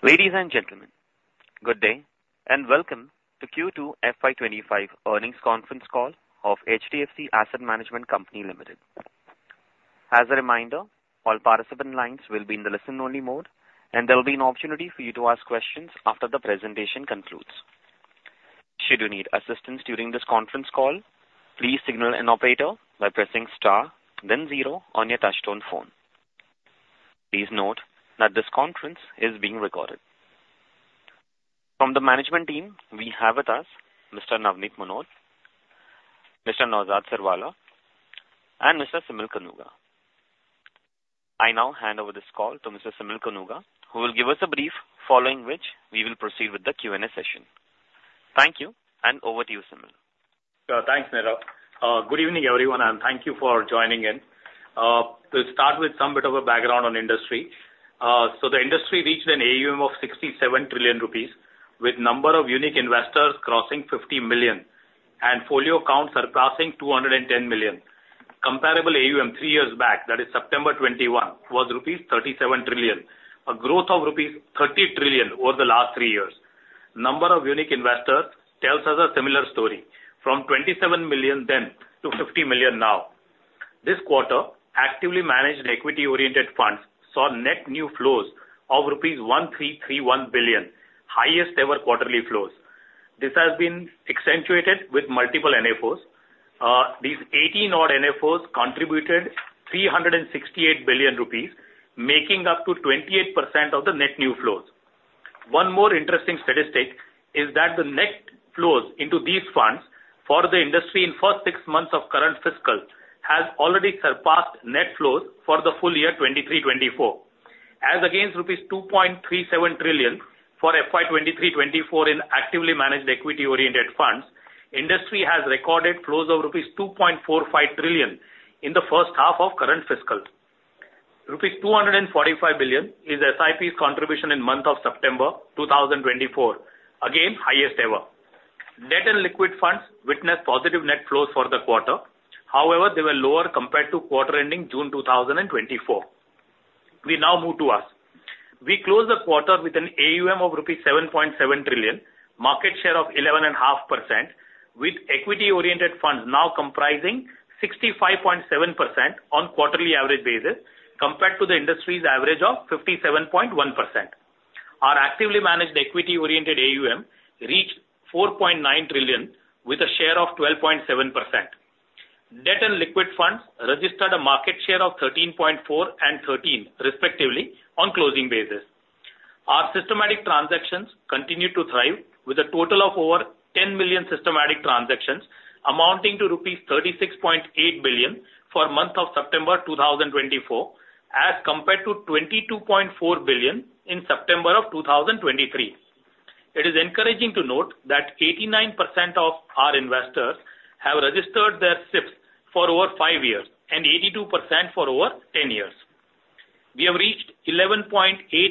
Ladies and gentlemen, good day, and welcome to Q2 FY twenty-five earnings conference call of HDFC Asset Management Company Limited. As a reminder, all participant lines will be in the listen-only mode, and there will be an opportunity for you to ask questions after the presentation concludes. Should you need assistance during this conference call, please signal an operator by pressing star then zero on your touchtone phone. Please note that this conference is being recorded. From the management team, we have with us Mr. Navneet Munot, Mr. Naozad Sirwalla, and Mr. Simal Kanuga. I now hand over this call to Mr. Simal Kanuga, who will give us a brief, following which we will proceed with the Q&A session. Thank you, and over to you, Simal. Thanks, Nirav. Good evening, everyone, and thank you for joining in. To start with some bit of a background on industry. So the industry reached an AUM of 67 trillion rupees, with number of unique investors crossing 50 million and folio accounts surpassing 210 million. Comparable AUM three years back, that is September 2021, was rupees 37 trillion, a growth of rupees 30 trillion over the last three years. Number of unique investors tells us a similar story, from 27 million then to 50 million now. This quarter, actively managed equity-oriented funds saw net new flows of rupees 1,331 billion, highest ever quarterly flows. This has been accentuated with multiple NFOs. These eighteen odd NFOs contributed 368 billion rupees, making up 28% of the net new flows. One more interesting statistic is that the net flows into these funds for the industry in first six months of current fiscal has already surpassed net flows for the full year 2023-24. As against rupees 2.37 trillion for FY 2023-24 in actively managed equity-oriented funds, industry has recorded flows of rupees 2.45 trillion in the first half of current fiscal. Rupees 245 billion is SIP's contribution in month of September 2024, again, highest ever. Debt and liquid funds witnessed positive net flows for the quarter. However, they were lower compared to quarter ending June 2024. We now move to us. We closed the quarter with an AUM of INR 7.7 trillion, market share of 11.5%, with equity-oriented funds now comprising 65.7% on quarterly average basis, compared to the industry's average of 57.1%. Our actively managed equity-oriented AUM reached 4.9 trillion with a share of 12.7%. Debt and liquid funds registered a market share of 13.4% and 13%, respectively, on closing basis. Our systematic transactions continue to thrive with a total of over 10 million systematic transactions, amounting to rupees 36.8 billion for month of September 2024, as compared to 22.4 billion in September of 2023. It is encouraging to note that 89% of our investors have registered their SIPs for over five years and 82% for over ten years. We have reached 11.8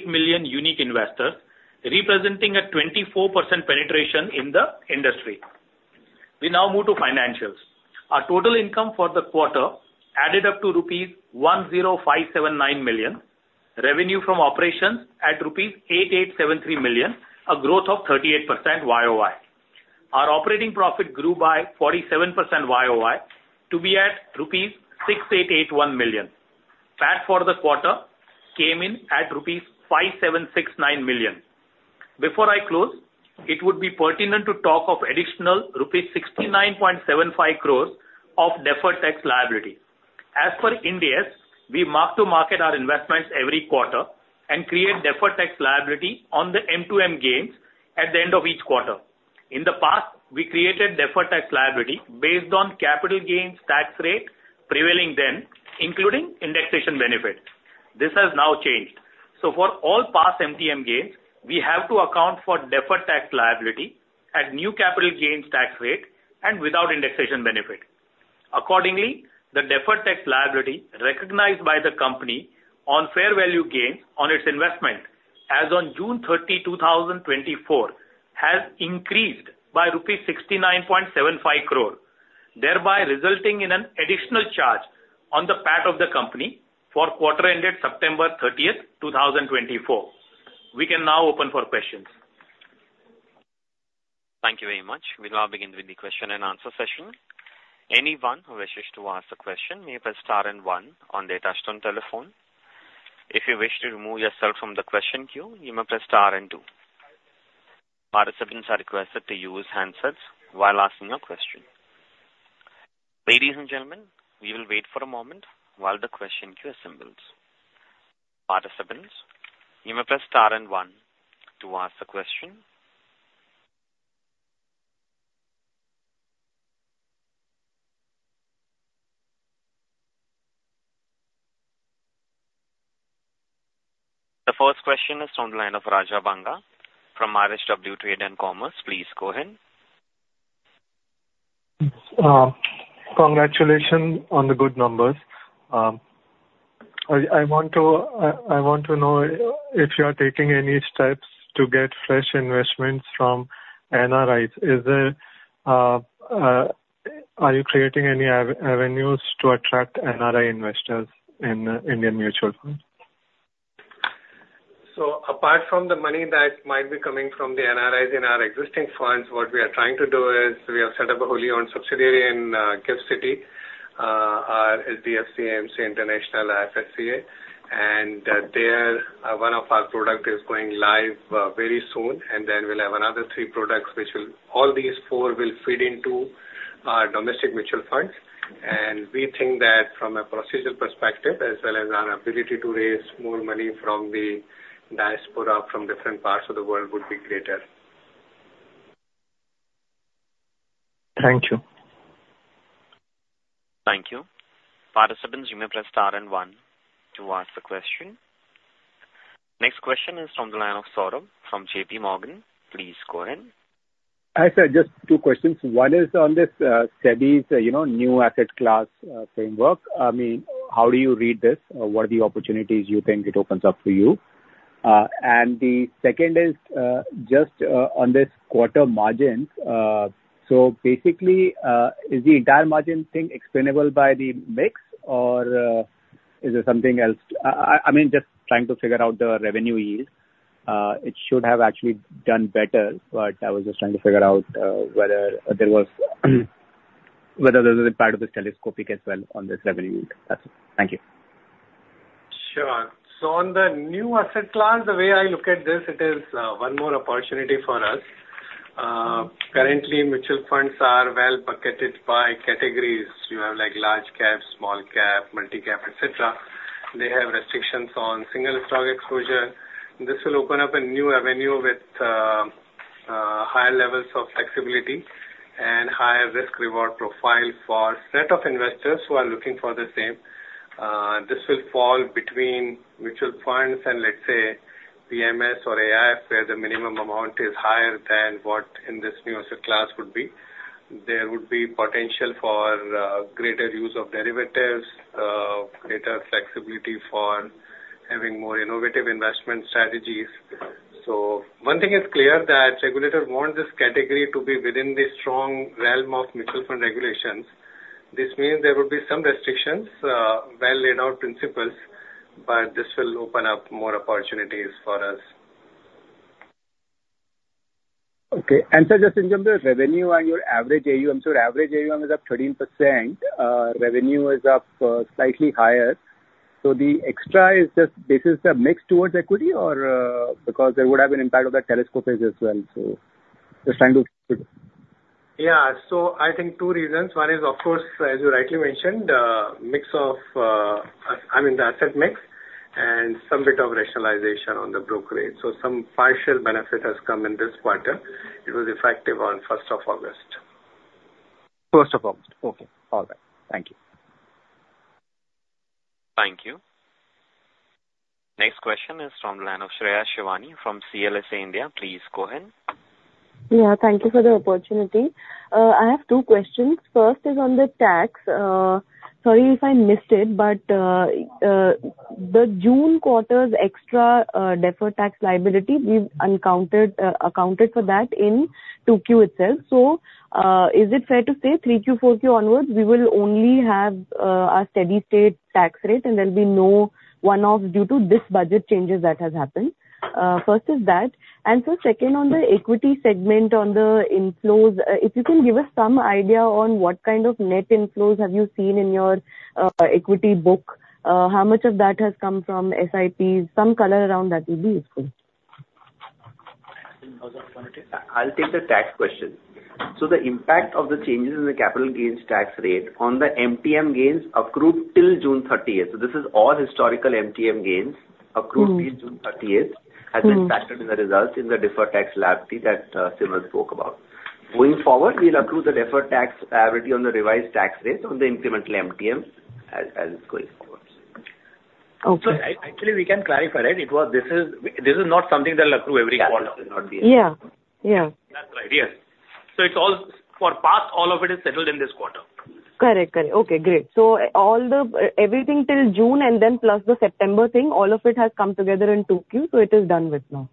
million unique investors, representing a 24% penetration in the industry. We now move to financials. Our total income for the quarter added up to rupees 1,057.9 million. Revenue from operations at rupees 887.3 million, a growth of 38% YOY. Our operating profit grew by 47% YOY to be at rupees 688.1 million. PAT for the quarter came in at rupees 576.9 million. Before I close, it would be pertinent to talk of additional rupees 69.75 crores of deferred tax liability. As for Ind AS, we mark to market our investments every quarter and create deferred tax liability on the M2M gains at the end of each quarter. In the past, we created deferred tax liability based on capital gains tax rate prevailing then, including indexation benefit. This has now changed. So for all past MTM gains, we have to account for deferred tax liability at new capital gains tax rate and without indexation benefit. Accordingly, the deferred tax liability recognized by the company on fair value gains on its investment as on June 30, 2024, has increased by rupees 69.75 crore, thereby resulting in an additional charge on the PAT of the company for quarter ended September 30, 2024. We can now open for questions. Thank you very much. We'll now begin with the question and answer session. Anyone who wishes to ask a question, may press star and one on their touchtone telephone. If you wish to remove yourself from the question queue, you may press star and two. Participants are requested to use handsets while asking a question. Ladies and gentlemen, we will wait for a moment while the question queue assembles. Participants, you may press star and one to ask the question. The first question is on the line of Raja Banga from RHW Trade and Commerce. Please go ahead. Congratulations on the good numbers. I want to know if you are taking any steps to get fresh investments from NRIs. Is there Are you creating any avenues to attract NRI investors in Indian mutual funds? So apart from the money that might be coming from the NRIs in our existing funds, what we are trying to do is we have set up a wholly owned subsidiary in GIFT City, our HDFC AMC International IFSC. And there, one of our product is going live very soon, and then we'll have another three products, all these four will feed into our domestic mutual funds. And we think that from a procedural perspective, as well as our ability to raise more money from the diaspora from different parts of the world, would be greater. Thank you. Thank you. Participants, you may press star and one to ask the question. Next question is from the line of Saurabh from JP Morgan. Please go ahead. Hi, sir, just two questions. One is on this, SEBI's, you know, new asset class, framework. I mean, how do you read this? What are the opportunities you think it opens up to you? And the second is, just, on this quarter margins. So basically, is the entire margin thing explainable by the mix, or, is there something else? I mean, just trying to figure out the revenue yield. It should have actually done better, but I was just trying to figure out, whether there was a part of this telescopic as well on this revenue yield. That's it. Thank you. Sure. So on the new asset class, the way I look at this, it is one more opportunity for us. Currently, mutual funds are well bucketed by categories. You have, like, large cap, small cap, multi cap, et cetera. They have restrictions on single stock exposure. This will open up a new avenue with higher levels of flexibility and higher risk-reward profile for set of investors who are looking for the same. This will fall between mutual funds and, let's say, PMS or AIF, where the minimum amount is higher than what in this new asset class would be. There would be potential for greater use of derivatives, greater flexibility for having more innovative investment strategies. So one thing is clear, that regulators want this category to be within the strong realm of mutual fund regulations. This means there will be some restrictions, well laid out principles, but this will open up more opportunities for us. Okay. And sir, just in terms of revenue and your average AUM, so your average AUM is up 13%, revenue is up, slightly higher. So the extra is just this is the mix towards equity or, because there would have been impact of the telescopic as well. So just trying to- Yeah. So I think two reasons. One is, of course, as you rightly mentioned, mix of, I mean, the asset mix and some bit of rationalization on the brokerages. So some partial benefit has come in this quarter. It was effective on first of August. First of August. Okay. All right. Thank you. Thank you. Next question is from the line of Shreya Shivani from CLSA India. Please go ahead. Yeah, thank you for the opportunity. I have two questions. First is on the tax. Sorry if I missed it, but the June quarter's extra deferred tax liability, we've accounted for that in 2Q itself. So, is it fair to say 3Q, 4Q onwards, we will only have a steady state tax rate and there'll be no one-off due to this budget changes that has happened? First is that. And so second, on the equity segment, on the inflows, if you can give us some idea on what kind of net inflows have you seen in your equity book, how much of that has come from SIPs? Some color around that will be useful. I'll take the tax question. So the impact of the changes in the capital gains tax rate on the MTM gains accrued till June thirtieth. So this is all historical MTM gains- Mm-hmm. Accrued till June thirtieth, has been factored in the results in the deferred tax liability that Simal spoke about. Going forward, we'll accrue the deferred tax liability on the revised tax rate on the incremental MTM as going forward. Okay. Actually, we can clarify, right? It was... This is, this is not something that will accrue every quarter. Yeah. Yeah. That's right. Yes. So it's all for past, all of it is settled in this quarter. Correct. Correct. Okay, great. So all the everything till June and then plus the September thing, all of it has come together in 2Q, so it is done with now?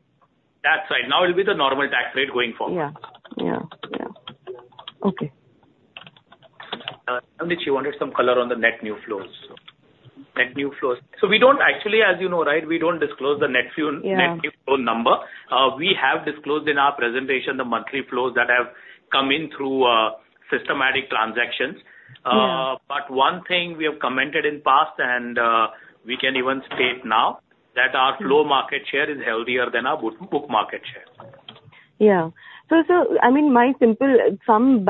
That's right. Now it will be the normal tax rate going forward. Yeah, yeah, yeah. Okay. She wanted some color on the net new flows. Net new flows. So we don't actually, as you know, right, we don't disclose the net new- Yeah. -net new flow number. We have disclosed in our presentation the monthly flows that have come in through, systematic transactions. Yeah. But one thing we have commented in past, and we can even state now, that our flow market share is healthier than our book market share. Yeah. So, I mean, my simple, some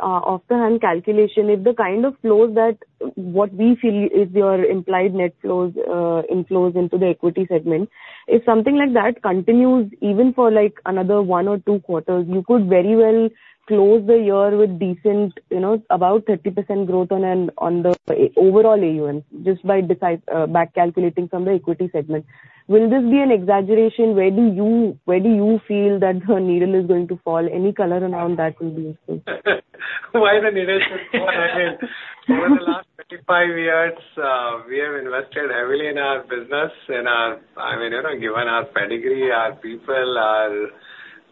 offhand calculation, if the kind of flows that what we feel is your implied net flows, inflows into the equity segment, if something like that continues even for, like, another one or two quarters, you could very well close the year with decent, you know, about 30% growth on the overall AUM, just by back calculating from the equity segment. Will this be an exaggeration? Where do you feel that the needle is going to fall? Any color around that will be useful. Why the needle should fall? I mean, over the last 35 years, invested heavily in our business and, I mean, you know, given our pedigree, our people, our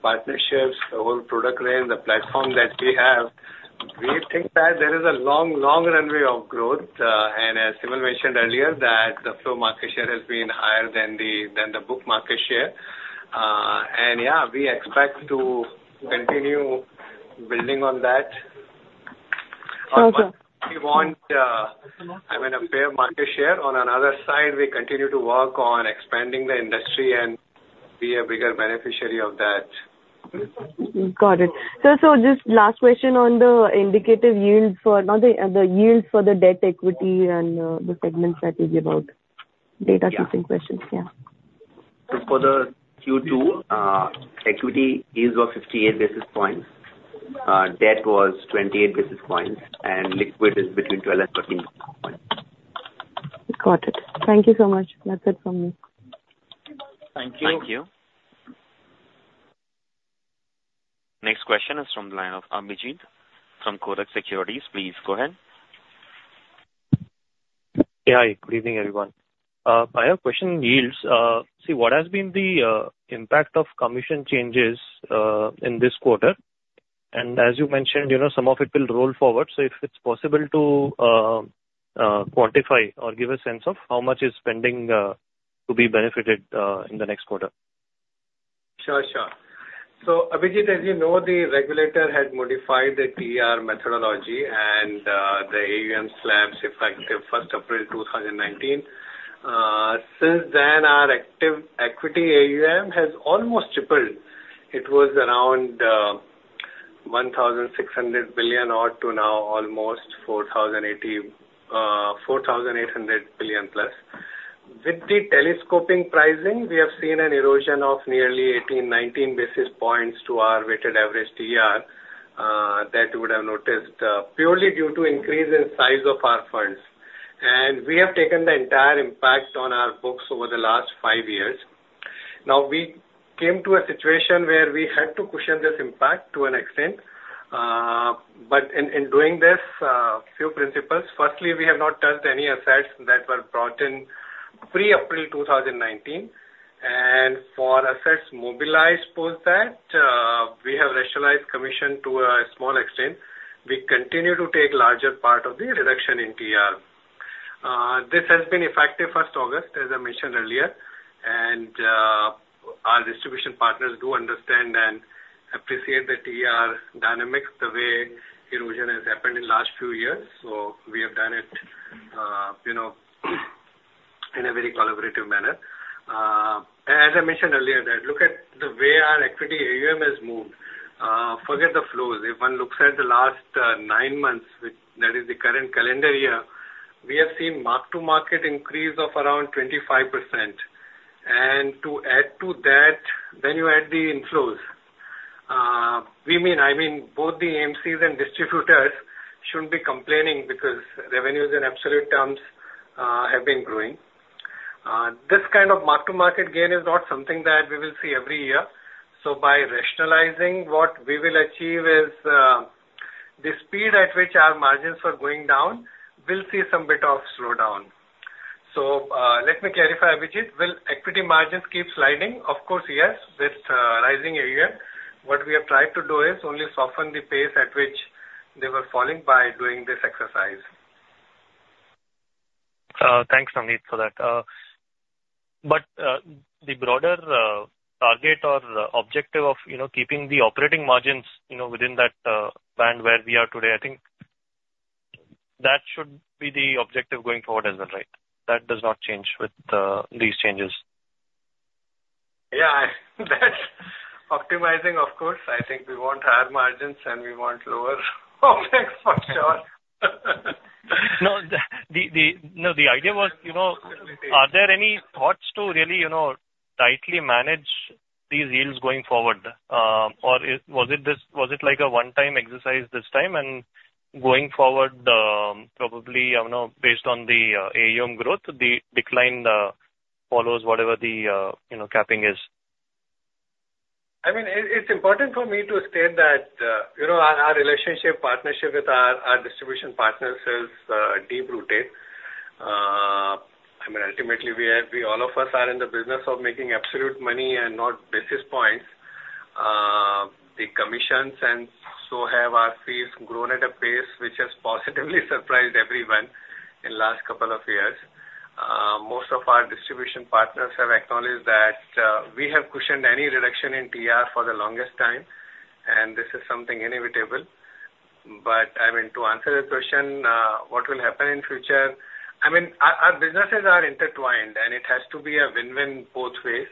partnerships, the whole product range, the platform that we have, we think that there is a long, long runway of growth. And as Simal mentioned earlier, that the flow market share has been higher than the book market share. And yeah, we expect to continue building on that. Okay. We want, I mean, a fair market share. On another side, we continue to work on expanding the industry and be a bigger beneficiary of that. Got it, so just last question on the indicative yields for... Not the yields for the debt equity and the segments that you give out. Data keeping questions. Yeah. So for the Q2, equity yields were 58 basis points, debt was 28 basis points, and liquid is between 12 and 13 basis points. Got it. Thank you so much. That's it from me. Thank you. Thank you. Next question is from the line of Abhijeet from Kotak Securities. Please go ahead. Yeah, hi. Good evening, everyone. I have a question on yields. So what has been the impact of commission changes in this quarter? And as you mentioned, you know, some of it will roll forward. So if it's possible to quantify or give a sense of how much is pending to be benefited in the next quarter. Sure, sure. So, Abhijeet, as you know, the regulator had modified the TER methodology and, the AUM slabs, effective first April two thousand and nineteen. Since then, our active equity AUM has almost tripled. It was around, 1,600 billion or to now almost 4,080, 4,800 billion plus. With the telescopic pricing, we have seen an erosion of nearly 18, 19 basis points to our weighted average TER, that you would have noticed, purely due to increase in size of our funds. And we have taken the entire impact on our books over the last five years. Now, we came to a situation where we had to cushion this impact to an extent. But in doing this, a few principles: firstly, we have not touched any assets that were brought in pre-April two thousand and nineteen, and for assets mobilized post that, we have rationalized commission to a small extent. We continue to take larger part of the reduction in TER. This has been effective first August, as I mentioned earlier, and our distribution partners do understand and appreciate the TER dynamics, the way erosion has happened in last few years. So we have done it, you know, in a very collaborative manner. As I mentioned earlier, that look at the way our equity AUM has moved. Forget the flows. If one looks at the last nine months, which that is the current calendar year, we have seen mark-to-market increase of around 25%. And to add to that, then you add the inflows. We mean, I mean, both the AMCs and distributors shouldn't be complaining because revenues in absolute terms have been growing. This kind of mark-to-market gain is not something that we will see every year. So by rationalizing, what we will achieve is the speed at which our margins were going down, we'll see some bit of slowdown. So, let me clarify, Abhijeet. Will equity margins keep sliding? Of course, yes, with rising AUM. What we have tried to do is only soften the pace at which they were falling by doing this exercise. Thanks, Navneet, for that, but the broader target or objective of, you know, keeping the operating margins, you know, within that band where we are today, I think that should be the objective going forward as well, right? That does not change with these changes. Yeah, that's optimizing, of course. I think we want higher margins, and we want lower OpEx, for sure. No, the idea was, you know, are there any thoughts to really, you know, tightly manage these yields going forward? Or is, was it this- was it like a one-time exercise this time, and going forward, probably, I don't know, based on the AUM growth, the decline follows whatever the, you know, capping is? I mean, it's important for me to state that, you know, our relationship, partnership with our distribution partners is deep-rooted. I mean, ultimately, we all of us are in the business of making absolute money and not basis points. The commissions and so have our fees grown at a pace which has positively surprised everyone in last couple of years. Most of our distribution partners have acknowledged that, we have cushioned any reduction in TER for the longest time, and this is something inevitable. I mean, to answer the question, what will happen in future? I mean, our businesses are intertwined, and it has to be a win-win both ways,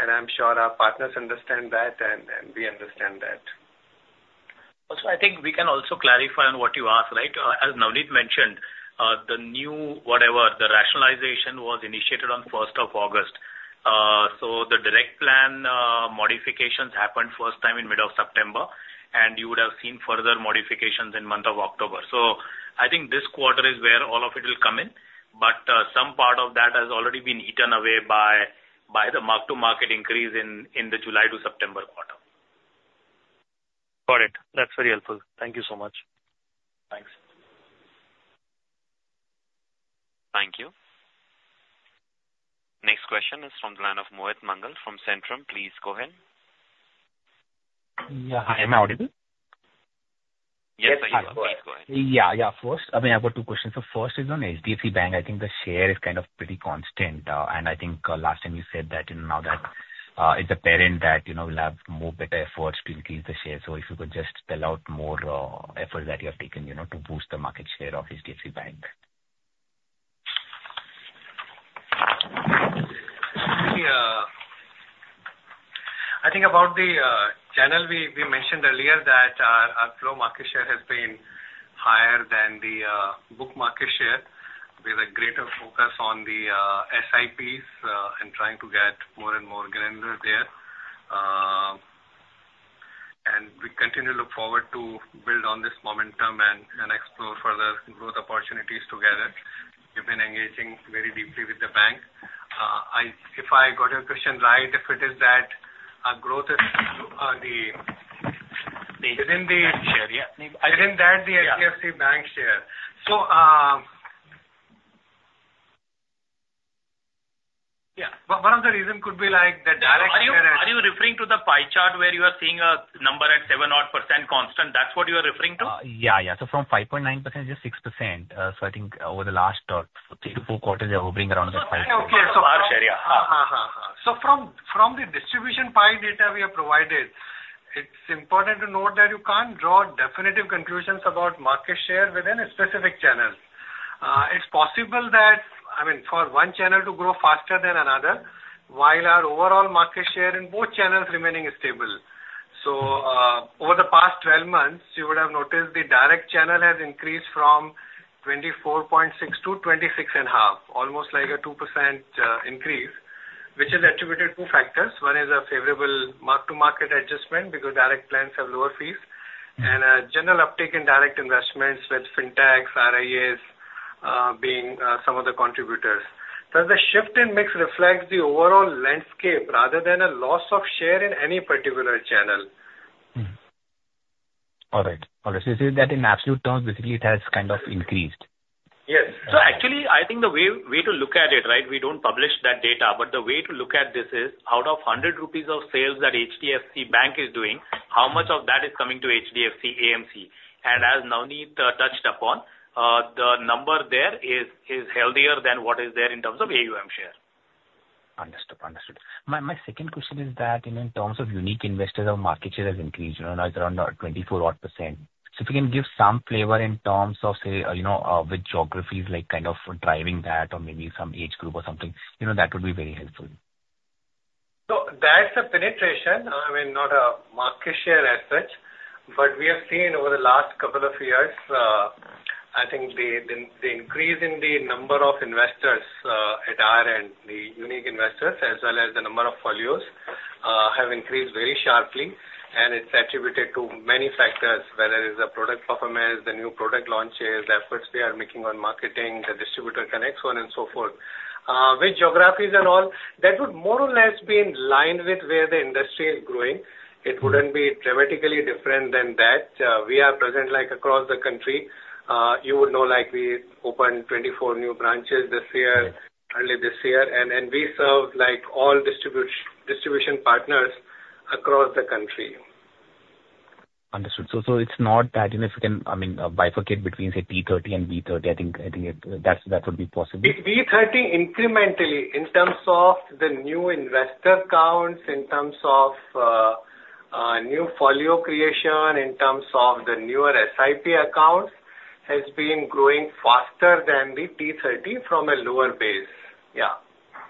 and I'm sure our partners understand that, and we understand that. Also, I think we can also clarify on what you asked, right? As Navneet mentioned, the new whatever, the rationalization was initiated on first of August. So the direct plan, modifications happened first time in middle of September, and you would have seen further modifications in month of October. So I think this quarter is where all of it will come in, but, some part of that has already been eaten away by the mark-to-market increase in the July to September quarter. ...very helpful. Thank you so much. Thanks. Thank you. Next question is from the line of Mohit Mangal from Centrum. Please go ahead. Yeah. Hi, am I audible? Yes, you are. Please go ahead. Yeah, yeah. First, I mean, I've got two questions. So first is on HDFC Bank. I think the share is kind of pretty constant, and I think last time you said that, you know, now that it's apparent that, you know, we'll have more better efforts to increase the share. So if you could just spell out more effort that you have taken, you know, to boost the market share of HDFC Bank. Yeah. I think about the channel, we mentioned earlier that our flow market share has been higher than the book market share. With a greater focus on the SIPs and trying to get more and more granular there, and we continue to look forward to build on this momentum and explore further growth opportunities together. We've been engaging very deeply with the bank. If I got your question right, if it is that our growth is the within the- Share, yeah. Within that, the HDFC Bank share. Yeah. One of the reason could be like the direct- Are you referring to the pie chart where you are seeing a number at 7-odd% constant? That's what you are referring to? Yeah, yeah. So from 5.9% to 6%, so I think over the last three to four quarters, they're hovering around the five. Okay, okay. So, yeah. From the distribution pie data we have provided, it's important to note that you can't draw definitive conclusions about market share within a specific channel. It's possible that... I mean, for one channel to grow faster than another, while our overall market share in both channels remaining stable. Over the past 12 months, you would have noticed the direct channel has increased from 24.6% to 26.5%, almost like a 2% increase, which is attributed to factors. One is a favorable mark-to-market adjustment, because direct plans have lower fees, and a general uptick in direct investments with FinTechs, RIAs being some of the contributors. Thus, the shift in mix reflects the overall landscape rather than a loss of share in any particular channel. All right. All right, so you're saying that in absolute terms, basically, it has kind of increased? Yes. Actually, I think the way to look at it, right? We don't publish that data, but the way to look at this is out of 100 rupees of sales that HDFC Bank is doing, how much of that is coming to HDFC AMC? And as Navneet touched upon, the number there is healthier than what is there in terms of AUM share. Understood. My second question is that, you know, in terms of unique investors, our market share has increased, you know, now it's around 24 odd %. So if you can give some flavor in terms of, say, you know, with geographies, like, kind of driving that or maybe some age group or something, you know, that would be very helpful. So that's a penetration. I mean, not a market share as such, but we have seen over the last couple of years, I think the increase in the number of investors at our end, the unique investors, as well as the number of folios have increased very sharply, and it's attributed to many factors, whether it's a product performance, the new product launches, the efforts we are making on marketing, the distributor connects, so on and so forth. With geographies and all, that would more or less be in line with where the industry is growing. It wouldn't be dramatically different than that. We are present, like, across the country. You would know, like, we opened 24 new branches this year- Right. earlier this year, and we serve, like, all distribution partners across the country. Understood. So, it's not that, you know, if you can, I mean, bifurcate between, say, T-30 and B-30, I think that's, that would be possible. B-30 incrementally in terms of the new investor counts, in terms of new folio creation, in terms of the newer SIP accounts, has been growing faster than the T-30 from a lower base. Yeah.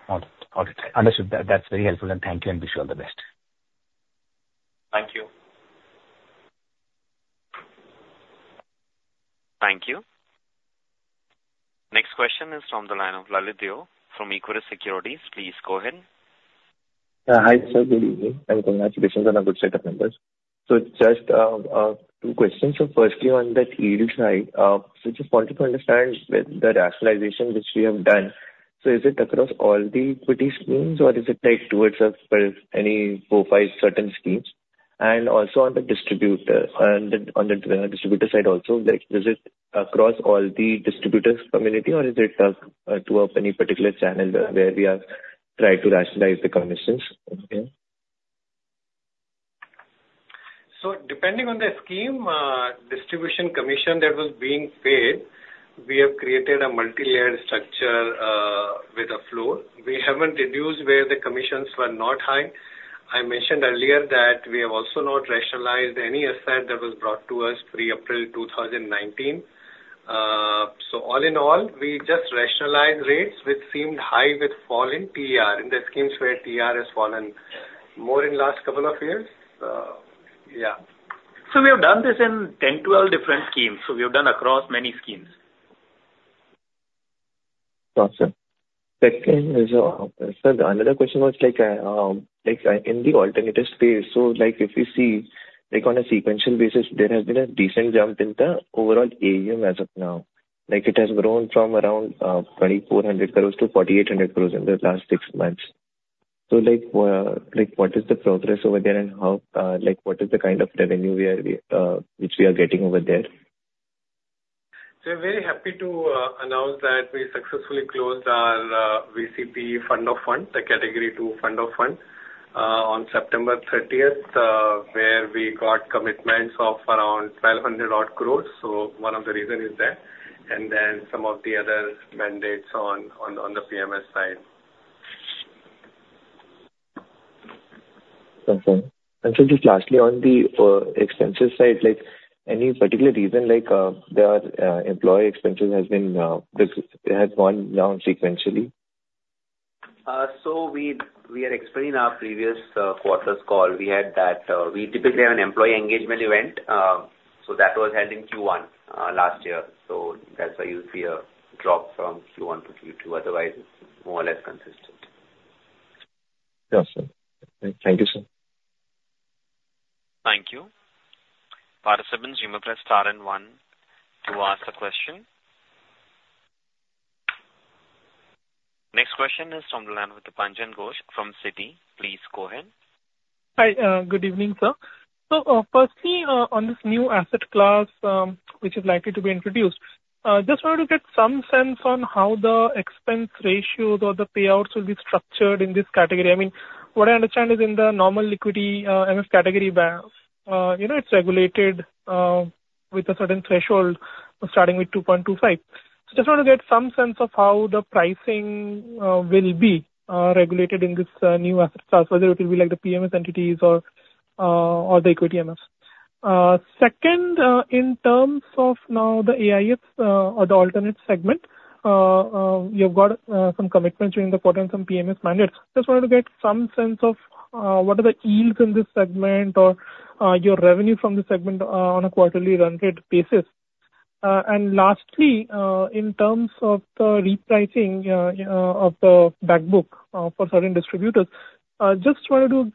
Got it. Got it. Understood. That's very helpful, and thank you, and wish you all the best. Thank you. Thank you. Next question is from the line of Lalit Deo from Equirus Securities. Please go ahead. Hi, sir, good evening, and congratulations on a good set of numbers. So just two questions. So firstly, on the yield side, so just wanted to understand with the rationalization which we have done, so is it across all the equity schemes, or is it like towards any four, five certain schemes? And also on the distributor side also, like, is it across all the distributors community, or is it towards any particular channel where we are trying to rationalize the commissions? Okay. So depending on the scheme, distribution commission that was being paid, we have created a multi-layered structure, with a floor. We haven't reduced where the commissions were not high. I mentioned earlier that we have also not rationalized any asset that was brought to us pre-April two thousand nineteen. So all in all, we just rationalized rates which seemed high, with fall in TER, in the schemes where TER has fallen more in last couple of years. Yeah. So we have done this in 10, 12 different schemes. So we have done across many schemes. Gotcha. Second is, so another question was like, like, in the alternative space, so like if you see, like on a sequential basis, there has been a decent jump in the overall AUM as of now. Like, it has grown from around 2,400 crores to 4,800 crores in the last six months. ... So like, like what is the progress over there and how, like what is the kind of revenue we are, which we are getting over there? So we're very happy to announce that we successfully closed our VC/PE Fund of Funds, the Category II Fund of Funds, on September thirtieth, where we got commitments of around 1,200-odd crore. So one of the reason is that, and then some of the other mandates on the PMS side. Confirm. And so just lastly, on the expenses side, like any particular reason, like, there are employee expenses has been this has gone down sequentially? So we had explained our previous quarter's call. We had that, we typically have an employee engagement event. So that was held in Q1 last year. So that's why you'll see a drop from Q1 to Q2. Otherwise, it's more or less consistent. Yes, sir. Thank you, sir. Thank you. Participants, you may press star and one to ask a question. Next question is from the line of Dipanjan Ghosh from Citi. Please go ahead. Hi. Good evening, sir, so firstly, on this new asset class, which is likely to be introduced, just wanted to get some sense on how the expense ratios or the payouts will be structured in this category. I mean, what I understand is in the normal liquidity MF category band, you know, it's regulated with a certain threshold starting with two point two five, so just want to get some sense of how the pricing will be regulated in this new asset class, whether it will be like the PMS entities or the equity MF. Second, in terms of now the AIFs or the alternative segment, you've got some commitments during the quarter and some PMS mandates. Just wanted to get some sense of what are the yields in this segment or your revenue from this segment on a quarterly run rate basis, and lastly, in terms of the repricing of the back book for certain distributors, just wanted to,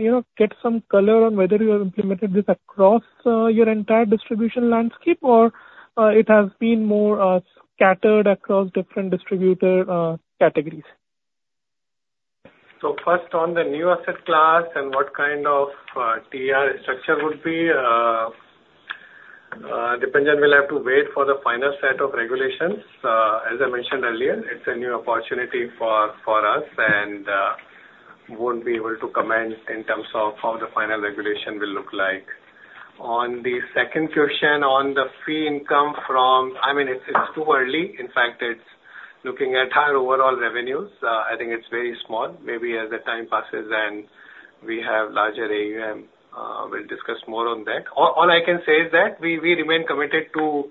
you know, get some color on whether you have implemented this across your entire distribution landscape, or it has been more scattered across different distributor categories. So first, on the new asset class and what kind of TER structure would be, Dipanjan will have to wait for the final set of regulations. As I mentioned earlier, it's a new opportunity for us, and won't be able to comment in terms of how the final regulation will look like. On the second question, on the fee income from. I mean, it's too early. In fact, it's looking at our overall revenues. I think it's very small. Maybe as the time passes and we have larger AUM, we'll discuss more on that. All I can say is that we remain committed to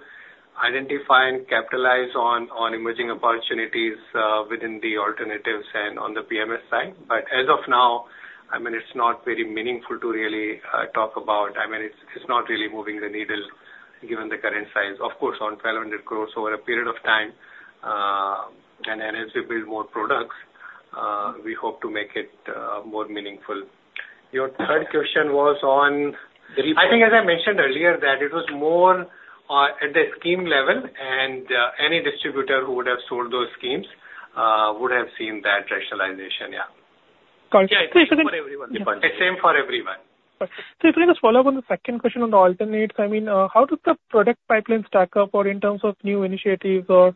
identify and capitalize on emerging opportunities, within the alternatives and on the PMS side. But as of now, I mean, it's not very meaningful to really talk about. I mean, it's, it's not really moving the needle given the current size. Of course, on 1,200 crores over a period of time, and as we build more products, we hope to make it, more meaningful. Your third question was on- Repricing. I think, as I mentioned earlier, that it was more at the scheme level, and any distributor who would have sold those schemes would have seen that rationalization, yeah. Got it. Yeah, it's same for everyone, Dipanjan. It's same for everyone. If I just follow up on the second question on the alternatives, I mean, how does the product pipeline stack up or in terms of new initiatives or,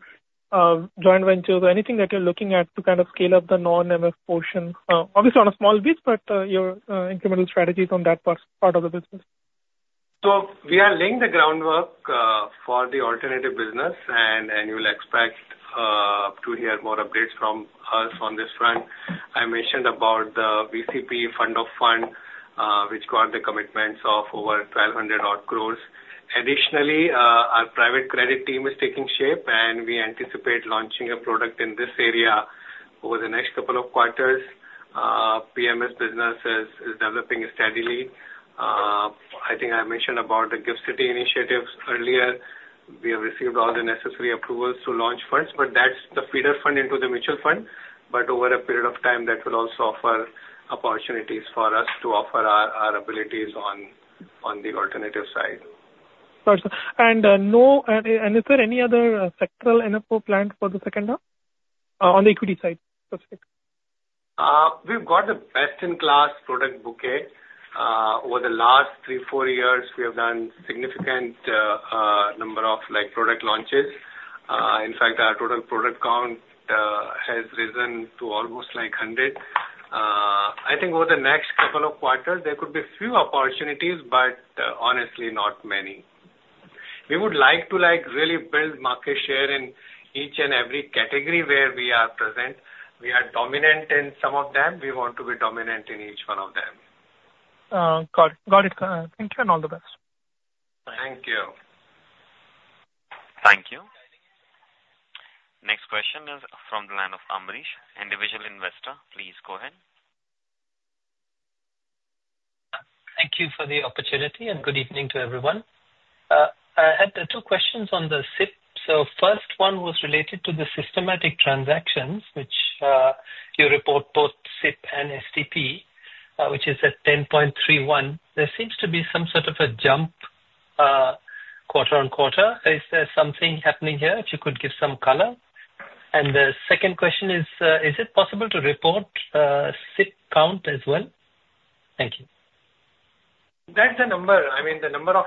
joint ventures or anything that you're looking at to kind of scale up the non-MF portion? Obviously on a small base, but your incremental strategies on that part of the business. So we are laying the groundwork for the alternative business, and you will expect to hear more updates from us on this front. I mentioned about the VC/PE Fund of Fund, which got the commitments of over 1,200 odd crores. Additionally, our private credit team is taking shape, and we anticipate launching a product in this area over the next couple of quarters. PMS business is developing steadily. I think I mentioned about the GIFT City initiatives earlier. We have received all the necessary approvals to launch first, but that's the feeder fund into the mutual fund. But over a period of time, that will also offer opportunities for us to offer our abilities on the alternative side. Got you. And is there any other sectoral NFO planned for the second half on the equity side, specific? We've got a best-in-class product bouquet. Over the last three, four years, we have done significant number of, like, product launches. In fact, our total product count has risen to almost, like, 100. I think over the next couple of quarters, there could be few opportunities, but, honestly, not many. We would like to, like, really build market share in each and every category where we are present. We are dominant in some of them. We want to be dominant in each one of them. Got it, got it. Thank you, and all the best. Thank you. Thank you. Next question is from the line of Ambarish, individual investor. Please go ahead. Thank you for the opportunity, and good evening to everyone. I had two questions on the SIP. So first one was related to the systematic transactions, which you report both SIP and STP, which is at ten point three one. There seems to be some sort of a jump. ...quarter on quarter. Is there something happening here? If you could give some color. And the second question is, is it possible to report SIP count as well? Thank you. That's the number. I mean, the number of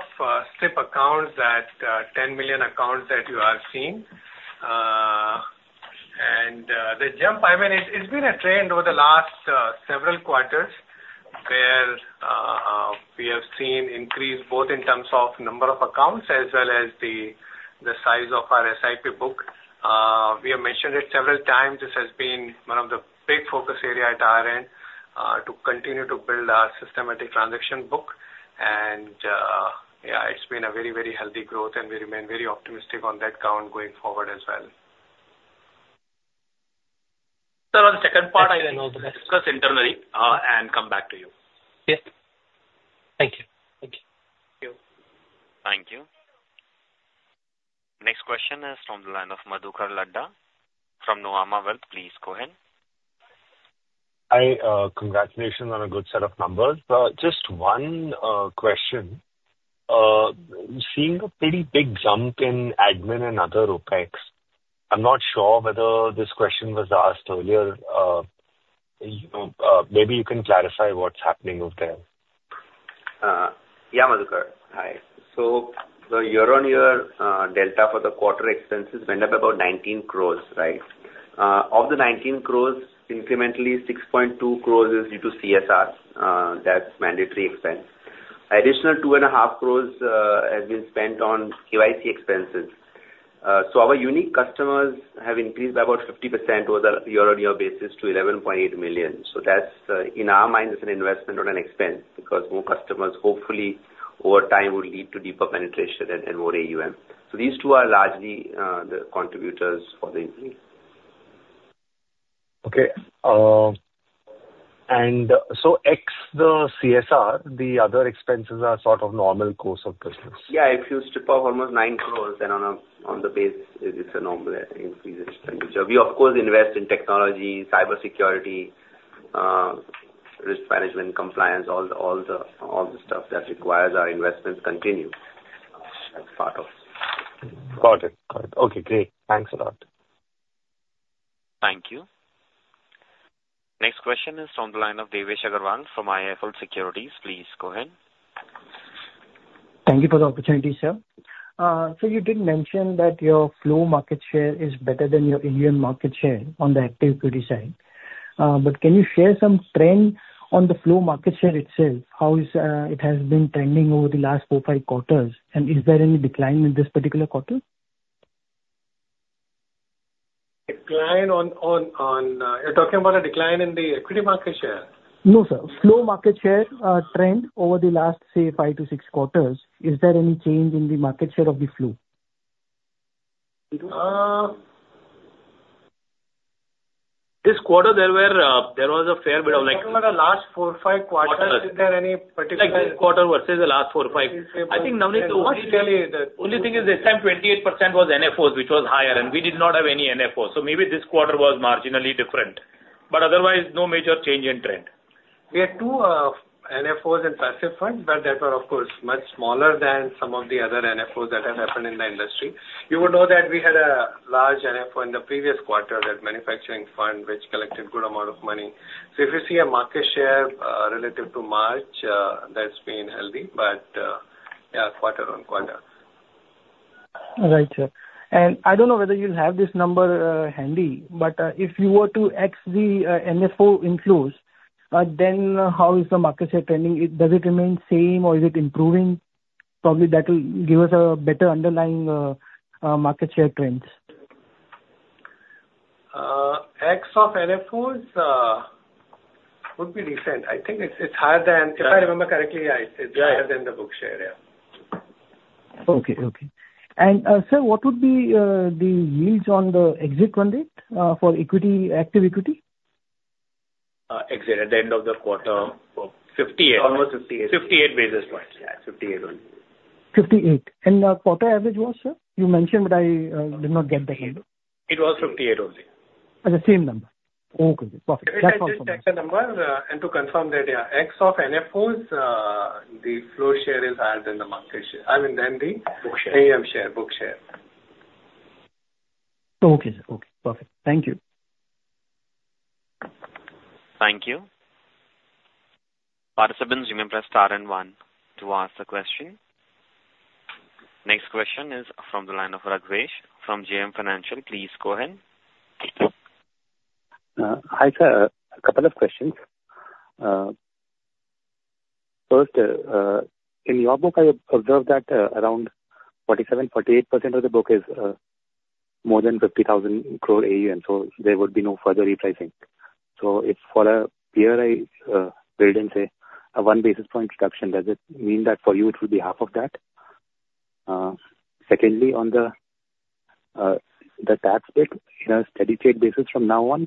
SIP accounts, that 10 million accounts that you have seen. And the jump, I mean, it's been a trend over the last several quarters, where we have seen increase both in terms of number of accounts as well as the size of our SIP book. We have mentioned it several times, this has been one of the big focus area at our end to continue to build our systematic investment book. And yeah, it's been a very, very healthy growth, and we remain very optimistic on that count going forward as well. Sir, on the second part, I will discuss internally, and come back to you. Yes. Thank you. Thank you. Thank you. Thank you. Next question is from the line of Madhukar Ladha from Nuvama Wealth. Please go ahead. Hi, congratulations on a good set of numbers. Just one question. Seeing a pretty big jump in admin and other OpEx, I'm not sure whether this question was asked earlier. You know, maybe you can clarify what's happening over there. Yeah, Madhukar. Hi. So the year on year delta for the quarter expenses went up about 19 crores, right? Of the 19 crores, incrementally, 6.2 crores is due to CSR, that's mandatory expense. Additional 2.5 crores has been spent on KYC expenses. So our unique customers have increased by about 50% over a year on year basis to 11.8 million. So that's, in our mind, it's an investment or an expense, because more customers hopefully over time will lead to deeper penetration and, and more AUM. So these two are largely the contributors for the increase. Okay, and so ex the CSR, the other expenses are sort of normal course of business? Yeah, if you strip off almost nine crores, then on the base, it is a normal increase in expenditure. We of course invest in technology, cybersecurity, risk management, compliance, all the stuff that requires our investments continue as part of. Got it. Got it. Okay, great. Thanks a lot. Thank you. Next question is on the line of Devesh Agarwal from IIFL Securities. Please go ahead. Thank you for the opportunity, sir. So you did mention that your flow market share is better than your Indian market share on the active equity side. But can you share some trend on the flow market share itself? How is it has been trending over the last four, five quarters, and is there any decline in this particular quarter? Decline... You're talking about a decline in the equity market share? No, sir. Flow market share trend over the last, say, five to six quarters. Is there any change in the market share of the flow? This quarter, there were, there was a fair bit of like- Talking about the last four, five quarters, is there any particular- Like this quarter versus the last four or five? I think now we need to obviously tell you the... only thing is this time, 28% was NFOs, which was higher, and we did not have any NFO. So maybe this quarter was marginally different, but otherwise, no major change in trend. We had two NFOs and passive funds, but that were of course much smaller than some of the other NFOs that have happened in the industry. You would know that we had a large NFO in the previous quarter, that manufacturing fund, which collected good amount of money. So if you see a market share relative to March, that's been healthy, but yeah, quarter on quarter. Right, sir. And I don't know whether you'll have this number handy, but if you were to exclude the NFO inflows, then how is the market share trending? Does it remain same or is it improving? Probably that will give us a better underlying market share trends. Example of NFOs would be decent. I think it's higher than, if I remember correctly, I said- Yeah. It's higher than the book share, yeah. Okay. Okay. And, sir, what would be the yields on the exit front for equity, active equity? Exit at the end of the quarter. Fifty-eight. Almost fifty-eight. Fifty-eight basis points. Yeah, fifty-eight only. Fifty-eight. And the quarter average was, sir? You mentioned, but I did not get the handle. It was fifty-eight only. The same number. Okay, perfect. Let me just check the number, and to confirm that, yeah, ex of NFOs, the flow share is higher than the market share. I mean, than the- Book share. AUM share, book share. Okay. Okay, perfect. Thank you. Thank you. Participants, you may press star and one to ask the question. Next question is from the line of Raghav from JM Financial. Please go ahead. Hi, sir. A couple of questions. First, in your book, I observed that around 47-48% of the book is more than 50,000 crore AUM, so there would be no further repricing. So if for a peer, I build in, say, a one basis point reduction, does it mean that for you it will be half of that? Secondly, on the tax bit, in a steady state basis from now on,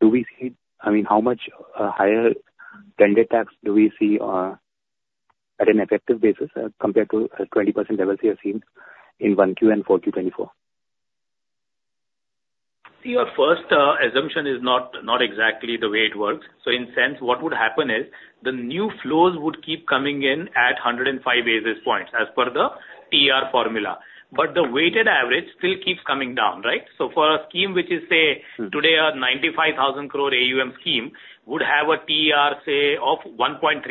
do we see... I mean, how much higher effective tax do we see at an effective basis compared to 20% levels we have seen in 1Q and 4Q, 2024?... Your first assumption is not, not exactly the way it works. So in a sense, what would happen is the new flows would keep coming in at 105 basis points as per the TER formula. But the weighted average still keeps coming down, right? So for a scheme which is, say, today a 95,000 crore AUM scheme would have a TER, say, of 1.35%.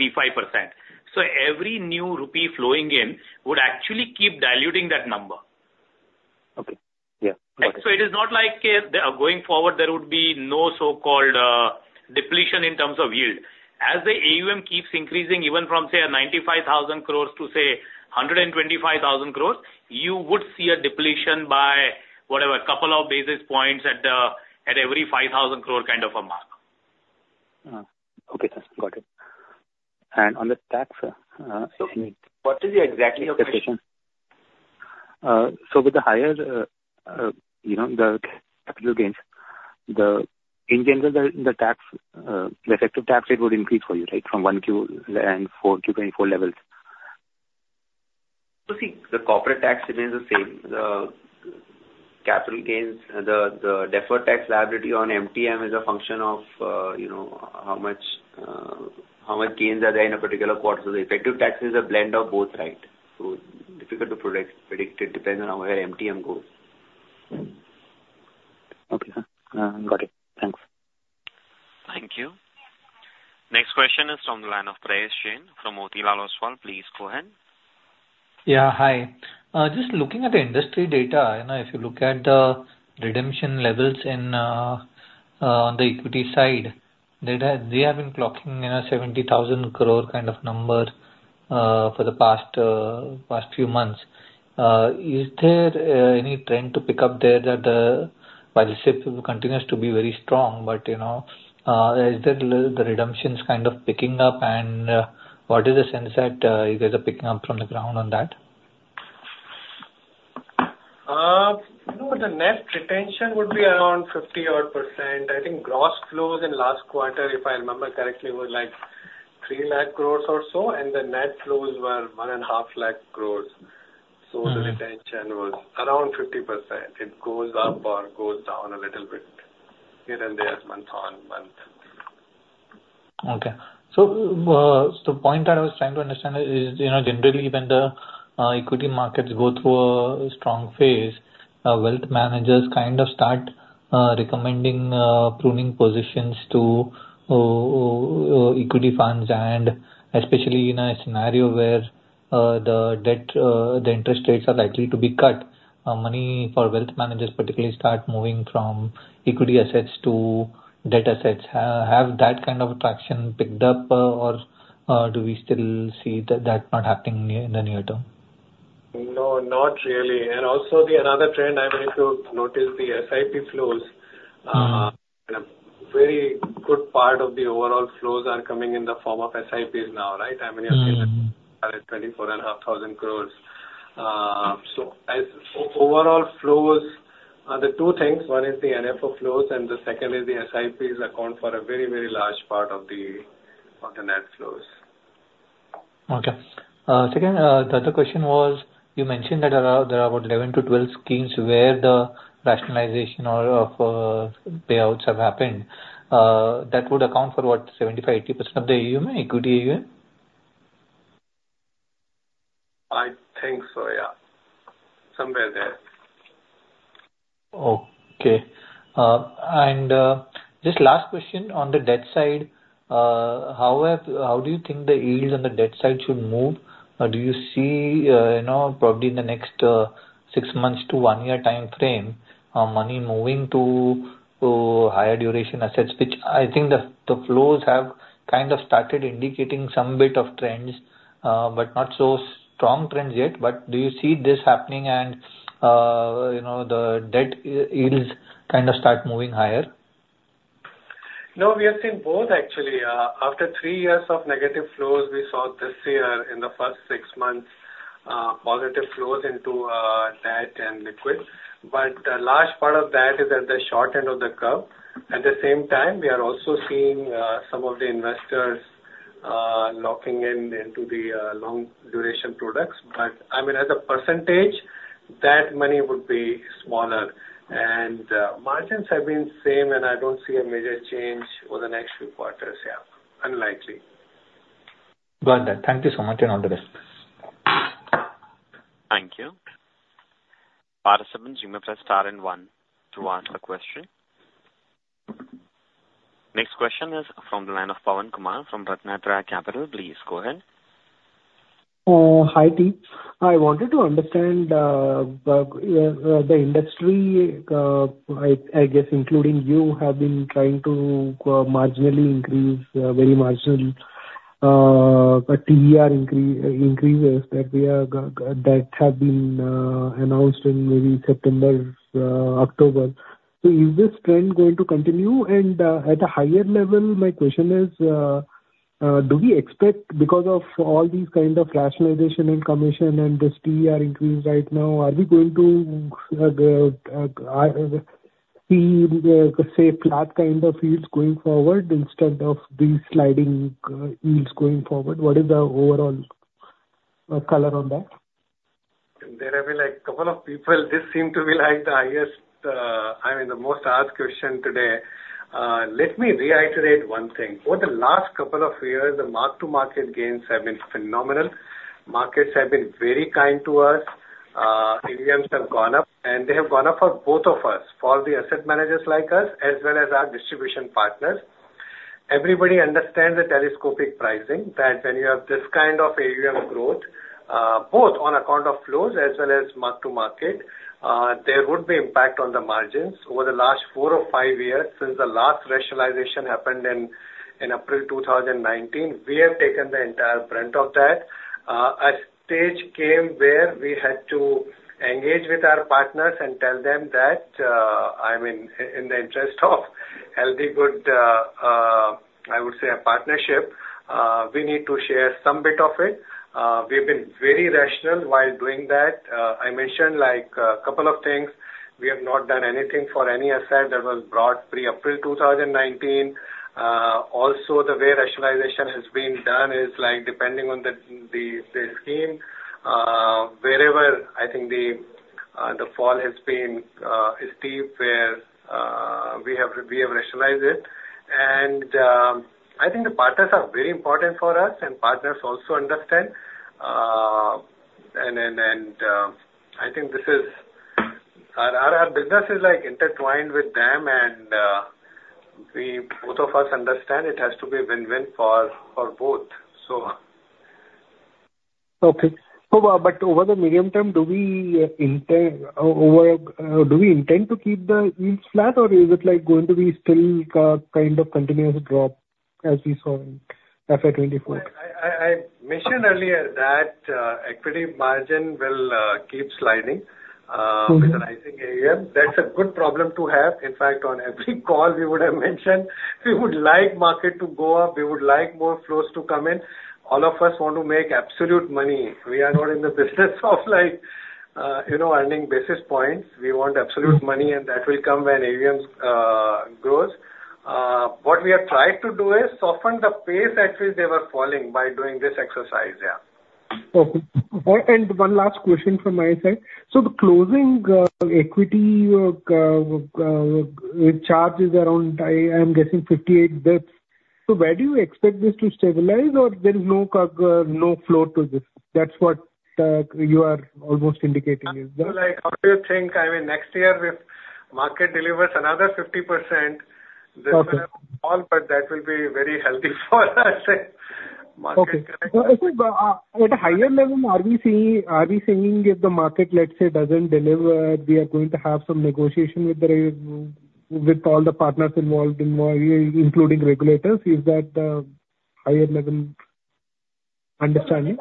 So every new rupee flowing in would actually keep diluting that number. Okay. Yeah. Got it. So it is not like, going forward, there would be no so-called, depletion in terms of yield. As the AUM keeps increasing, even from, say, 95,000 crore to, say, 125,000 crore, you would see a depletion by, whatever, a couple of basis points at the every 5,000 crore kind of a mark. Okay, sir. Got it, and on the tax. What exactly is your question? So with the higher, you know, the capital gains in general, the tax, the effective tax rate would increase for you, right? From one Q and four Q twenty-four levels. So see, the corporate tax remains the same. The capital gains, the deferred tax liability on MTM is a function of, you know, how much gains are there in a particular quarter. The effective tax is a blend of both, right? So difficult to predict. It depends on where MTM goes. Okay. Got it. Thanks. Thank you. Next question is from the line of Prayesh Jain from Motilal Oswal. Please go ahead. Yeah, hi. Just looking at the industry data, you know, if you look at the redemption levels in, on the equity side, they have been clocking in a 70,000 crore kind of number, for the past few months. Is there any trend to pick up there that, while the SIP continues to be very strong, but you know, is there the redemptions kind of picking up? And what is the sense that you guys are picking up from the ground on that? you know, the net retention would be around 50-odd%. I think gross flows in last quarter, if I remember correctly, were, like, 3 lakh crores or so, and the net flows were 1.5 lakh crores. Mm-hmm. So the retention was around 50%. It goes up or goes down a little bit, here and there, month on month. Okay. So point that I was trying to understand is, you know, generally when the equity markets go through a strong phase, wealth managers kind of start recommending pruning positions to equity funds. And especially in a scenario where the debt the interest rates are likely to be cut, money for wealth managers particularly start moving from equity assets to debt assets. Have that kind of traction picked up, or do we still see that not happening in the near term? No, not really. And also another trend I mean, if you notice the SIP flows- Mm-hmm. A very good part of the overall flows are coming in the form of SIPs now, right? Mm-hmm. I mean, at 24,500 crore, so as overall flows, the two things: One is the NFO flows, and the second is the SIPs account for a very, very large part of the net flows. Okay. Second, the other question was, you mentioned that there are about eleven to twelve schemes where the rationalization of payouts have happened. That would account for what, 75%-80% of the AUM, equity AUM? I think so, yeah. Somewhere there. Okay. And just last question on the debt side, how have... How do you think the yields on the debt side should move? Do you see, you know, probably in the next six months to one year timeframe, money moving to higher duration assets, which I think the flows have kind of started indicating some bit of trends, but not so strong trends yet. But do you see this happening and, you know, the debt yields kind of start moving higher? No, we have seen both actually. After three years of negative flows, we saw this year, in the first six months, positive flows into, debt and liquids, but a large part of that is at the short end of the curve. At the same time, we are also seeing, some of the investors, locking in into the, long duration products. But I mean, as a percentage, that money would be smaller. And, margins have been same, and I don't see a major change over the next few quarters here. Unlikely. Got that. Thank you so much, and all the best. Thank you. Participants, you may press star and one to ask a question. Next question is from the line of Pavan Kumar from RatnaTraya Capital. Please go ahead. Hi, team. I wanted to understand the industry, I guess, including you, have been trying to marginally increase, very marginally, the TER increases that have been announced in maybe September, October. So is this trend going to continue? And at a higher level, my question is, do we expect, because of all these kind of rationalization in commission and this TER increase right now, are we going to see, say, flat kind of yields going forward instead of these sliding yields going forward? What is the overall color on that?... There have been like couple of people, this seem to be like the highest, I mean, the most asked question today. Let me reiterate one thing: Over the last couple of years, the mark-to-market gains have been phenomenal. Markets have been very kind to us. AUMs have gone up, and they have gone up for both of us, for the asset managers like us as well as our distribution partners. Everybody understands the telescopic pricing, that when you have this kind of AUM growth, both on account of flows as well as mark-to-market, there would be impact on the margins. Over the last four or five years, since the last rationalization happened in April 2019, we have taken the entire brunt of that. A stage came where we had to engage with our partners and tell them that, I mean, in the interest of healthy, good, I would say a partnership, we need to share some bit of it. We've been very rational while doing that. I mentioned, like, a couple of things. We have not done anything for any asset that was brought pre-April 2019. Also, the way rationalization has been done is, like, depending on the scheme, wherever I think the fall has been is deep, where we have rationalized it. I think the partners are very important for us, and partners also understand. I think this is... Our business is, like, intertwined with them, and we both of us understand it has to be a win-win for both, so. Okay. So, but over the medium term, do we intend to keep the yields flat, or is it, like, going to be still, kind of continuous drop as we saw in FY twenty-four? I mentioned earlier that equity margin will keep sliding. Mm-hmm. With the rising AUM. That's a good problem to have. In fact, on every call we would have mentioned, we would like market to go up. We would like more flows to come in. All of us want to make absolute money. We are not in the business of, like, you know, earning basis points. We want absolute money. Mm. and that will come when AUMs grows. What we have tried to do is soften the pace at which they were falling by doing this exercise. Yeah. Okay, and one last question from my side, so the closing equity charge is around, I'm guessing 58 basis points, so where do you expect this to stabilize, or there is no cap, no floor to this? That's what you are almost indicating, is that? Like, how do you think, I mean, next year, if market delivers another 50%? Okay. This will fall, but that will be very healthy for us? Market- Okay, but at a higher level, are we seeing, are we saying if the market, let's say, doesn't deliver, we are going to have some negotiation with all the partners involved, including regulators? Is that the higher level understanding?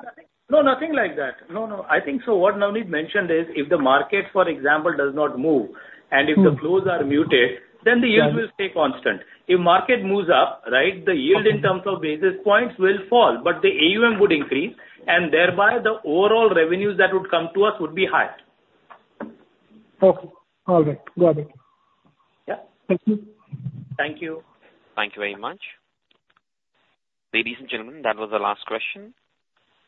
No, nothing like that. No, no. I think so what Navneet mentioned is, if the market, for example, does not move, and if- Mm the flows are muted, then the yields Yeah. will stay constant. If market moves up, right? Okay. The yield in terms of basis points will fall, but the AUM would increase, and thereby the overall revenues that would come to us would be higher. Okay. All right, got it. Yeah. Thank you. Thank you. Thank you very much. Ladies and gentlemen, that was the last question.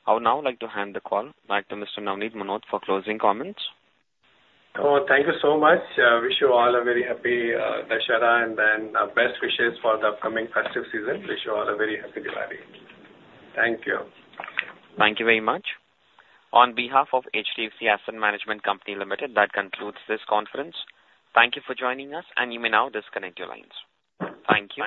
I would now like to hand the call back to Mr. Navneet Munot for closing comments. Oh, thank you so much. Wish you all a very happy Dussehra, and then best wishes for the upcoming festive season. Wish you all a very happy Diwali. Thank you. Thank you very much. On behalf of HDFC Asset Management Company Limited, that concludes this conference. Thank you for joining us, and you may now disconnect your lines. Thank you.